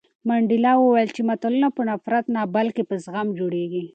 منډېلا وویل چې ملتونه په نفرت نه بلکې په زغم جوړېږي.